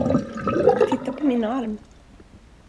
Titta på min arm.